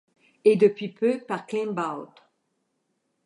Et depuis peu par climb up.